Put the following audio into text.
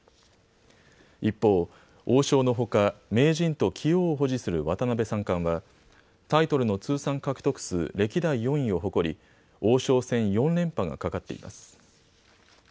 一方、王将のほか名人と棋王を保持する渡辺三冠はタイトルの通算獲得数歴代４位を誇り王将戦４連覇がかかっています。